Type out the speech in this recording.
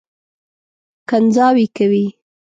کنځاوې کوي.